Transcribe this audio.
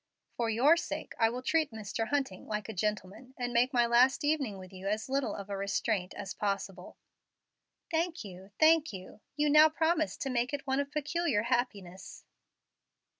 For your sake I will treat Mr. Hunting like a gentleman, and make my last evening with you as little of a restraint as possible." "Thank you thank you. You now promise to make it one of peculiar happiness."